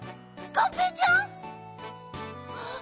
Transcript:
がんぺーちゃん？